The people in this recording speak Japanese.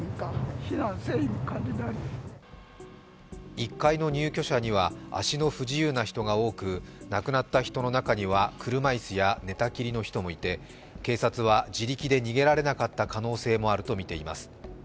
１階の入居者には足の不自由な人が多く亡くなった人の中には車椅子や寝たきりの人もいて警察は、自力で逃げられなかった可能性もあるとみています。